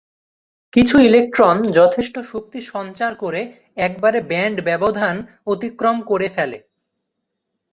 কিছু ইলেকট্রন যথেষ্ট শক্তি সঞ্চার করে একবারে ব্যান্ড ব্যবধান অতিক্রম করে ফেলে।